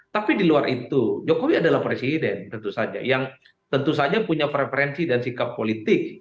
tapi di luar itu jokowi adalah presiden tentu saja yang tentu saja punya preferensi dan sikap politik